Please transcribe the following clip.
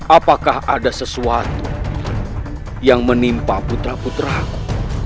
apakah ada sesuatu yang menimpa putra putraku